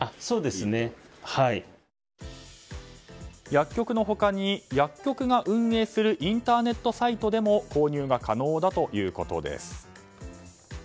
薬局の他に、薬局が運営するインターネットサイトでも購入が可能だということです。